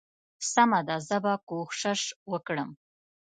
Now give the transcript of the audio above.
سمه ده زه به کوشش وکړم.